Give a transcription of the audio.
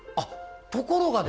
ところがですね